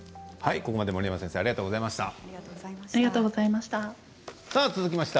ここまで森山先生ありがとうございました。